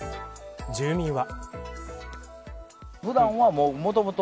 住民は。